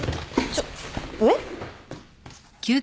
ちょっ上？